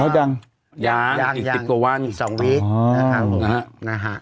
ยังอีกกว่าวันอีก๒วิต